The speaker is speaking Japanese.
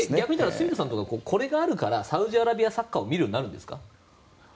住田さんとかはこれがあるからサウジアラビアサッカーを見るようになるんですか？